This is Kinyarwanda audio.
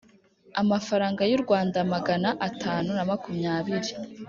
Amafaranga y u rwanda magana atanu na makumyabiri